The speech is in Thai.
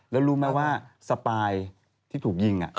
แล้วรู้ไหมว่าสปายที่ถูกยิง